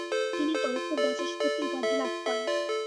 তিনি তর্কবাচস্পতি উপাধি লাভ করেন।